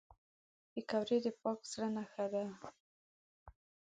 پکورې د پاک زړه نښه ده